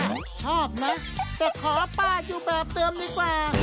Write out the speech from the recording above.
ผมชอบนะแต่ขอป้าอยู่แบบเดิมดีกว่า